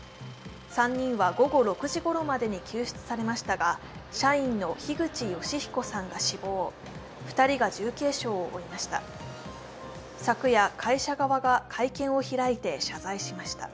３人は午後６時ごろまでに救出されましたが、社員の樋口善彦さんが死亡２人が重軽傷を負いました。